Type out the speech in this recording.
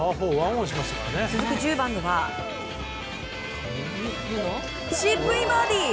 続く１０番ではチップインバーディー！